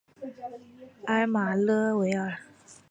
埃马勒维尔。